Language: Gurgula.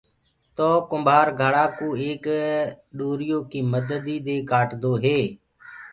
تو ڪُمڀآر گھڙآ ڪو ايڪ ڏوريو ڪيِ مددي دي ڪآٽدو هي۔